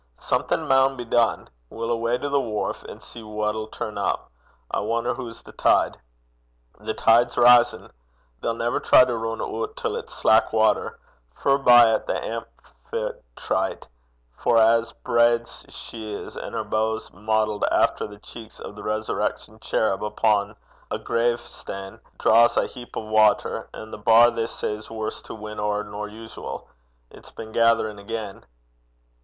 'Something maun be dune. We'll awa' to the quay, an' see what'll turn up. I wonner hoo's the tide.' 'The tide's risin'. They'll never try to win oot till it's slack watter furbye 'at the Amphitrite, for as braid 's she is, and her bows modelled efter the cheeks o' a resurrection cherub upo' a gravestane, draws a heap o' watter: an' the bar they say 's waur to win ower nor usual: it's been gatherin' again.'